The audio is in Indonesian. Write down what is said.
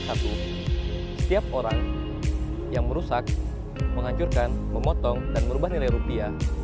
setiap orang yang merusak menghancurkan memotong dan merubah nilai rupiah